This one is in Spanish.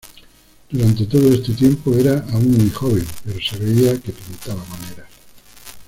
Durante todo este tiempo era aún muy joven, pero se veía que pintaba maneras.